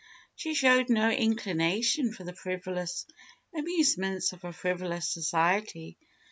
She showed no inclination for the frivolous amusements of a frivolous society.